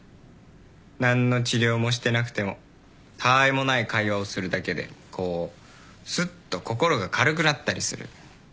何の治療もしてなくてもたわいもない会話をするだけでこうすっと心が軽くなったりする。